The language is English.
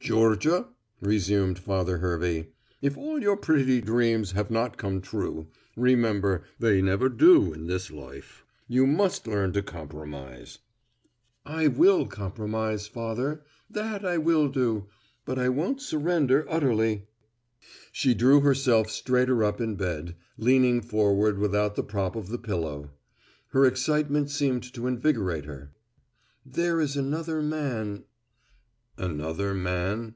"Georgia," resumed Father Hervey, "if all your pretty dreams have not come true, remember they never do in this life. You must learn to compromise." "I will compromise, Father that I will do, but I won't surrender utterly." She drew herself straighter up in bed, leaning forward without the prop of the pillow. Her excitement seemed to invigorate her. "There is another man " "Another man?"